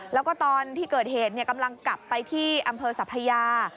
แล้วก็ตอนที่เกิดเหตุกำลังกลับไปที่อำเภอสัพยา